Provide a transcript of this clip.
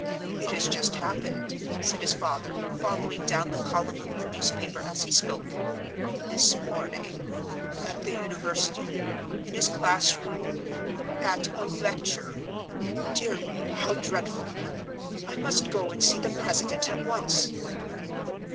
"It has just happened," said his father, following down the column of the newspaper as he spoke, "this morning, at the university, in his classroom, at a lecture. Dear me, how dreadful! I must go and see the president at once."